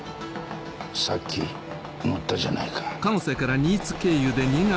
さっき乗ったじゃないか。